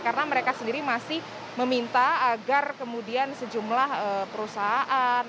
karena mereka sendiri masih meminta agar kemudian sejumlah perusahaan